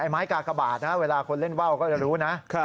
ไม้กากบาทเวลาคนเล่นว่าวก็จะรู้นะ